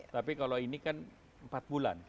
tapi kalau ini kan empat bulan